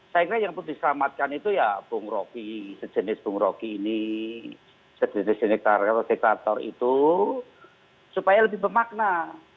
saya kira yang perlu diselamatkan itu ya bung roky sejenis bung roky ini sejenis deklator itu supaya lebih bermakna